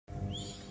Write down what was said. No audible sound